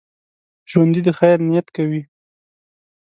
ژوندي د خیر نیت کوي